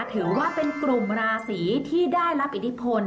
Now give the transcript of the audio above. ถือว่าเป็นกลุ่มราศีที่ได้รับอิทธิพล